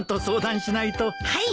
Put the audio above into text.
はい。